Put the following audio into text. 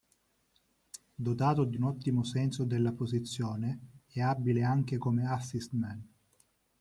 Dotato di un ottimo senso della posizione, è abile anche come "assist-man".